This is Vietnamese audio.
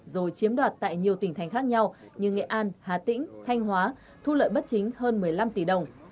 rồi chiếm đoạt tại nhiều tỉnh thành khác nhau như nghệ an hà tĩnh thanh hóa thu lợi bất chính hơn một mươi năm tỷ đồng